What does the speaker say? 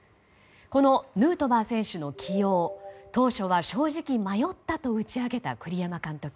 このヌートバー選手の起用当初は正直迷ったと打ち明けた栗山監督。